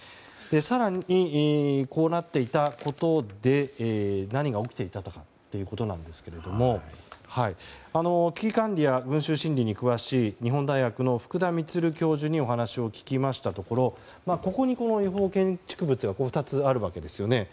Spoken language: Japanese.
更に、こうなっていたことで何が起きていたのかということなんですが危機管理や群集心理に詳しい日本大学の福田充教授にお話を聞いたところここに、違法建築物が２つあるわけですよね。